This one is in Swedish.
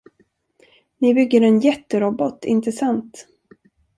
Ni bygger en jätterobot, inte sant?